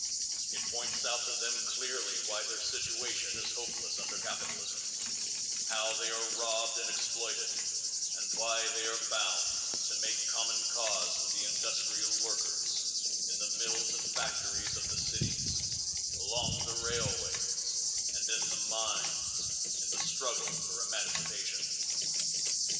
It points out to them clearly why their situation is hopeless under capitalism, how they are robbed and exploited, and why they are bound to make common cause with the industrial workers in the mills and factories of the cities, along the railways and in the mines in the struggle for emancipation.